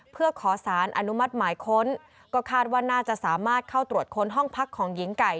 เพื่อขอสารอนุมัติหมายค้นก็คาดว่าน่าจะสามารถเข้าตรวจค้นห้องพักของหญิงไก่